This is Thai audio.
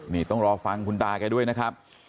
นี่ต้องรอฟังคุณตาแกด้วยนะครับ